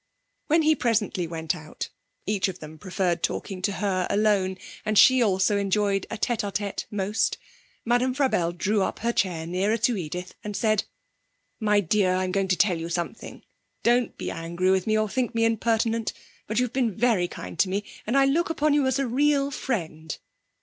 When he presently went out (each of them preferred talking to Her alone, and She also enjoyed a tête à tête most) Madame Frabelle drew up her chair nearer to Edith and said: 'My dear, I'm going to tell you something. Don't be angry with me, or think me impertinent, but you've been very kind to me, and I look upon you as a real friend.'